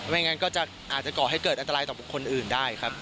ไม่งั้นก็จะอาจจะเกาะให้เกิดอันตรายต่อบทุกคนอื่นได้ครับ